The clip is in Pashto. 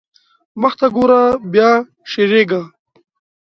مخته ګوره بيا شېرېږا.